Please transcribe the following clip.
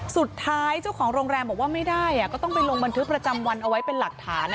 เจ้าของโรงแรมบอกว่าไม่ได้ก็ต้องไปลงบันทึกประจำวันเอาไว้เป็นหลักฐาน